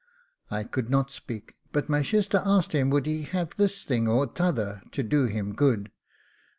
I could not speak, but my shister asked him would he have this thing or t'other to do him good?